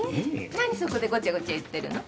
何そこでごちゃごちゃ言ってるの？